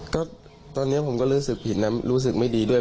ก็ตอนนี้ผมก็รู้สึกผิดนะรู้สึกไม่ดีด้วย